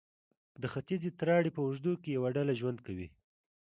د ختیځې تراړې په اوږدو کې یوه ډله ژوند کوي.